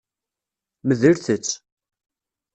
Medlet-tt.